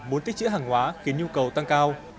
muốn tích chữ hàng hóa khiến nhu cầu tăng cao